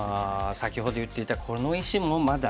先ほど言っていたこの石もまだ。